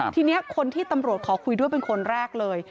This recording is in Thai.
ทีนี้คนที่ตำรวจขอคุยด้วยเป็นคนแรกเลย